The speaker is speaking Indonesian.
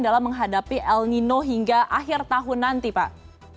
dalam menghadapi el nino hingga akhir tahun nanti pak